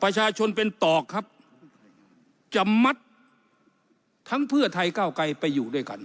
ประชาชนเป็นตอกครับจะมัดทั้งเพื่อไทยก้าวไกลไปอยู่ด้วยกัน